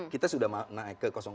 kita sudah naik ke